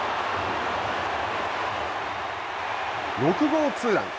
６号ツーラン。